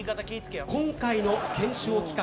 今回の検証企画